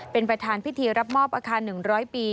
เป็นประธานพิธีรับมอบอาคาร๑๐๐ปี